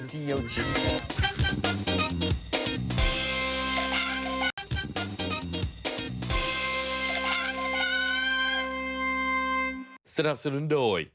ไว้อีกได้๕นาที